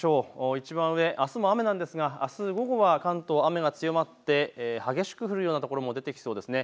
いちばん上、あすも雨なんですがあす午後は関東、雨が強まって激しく降るようなところも出てきそうです。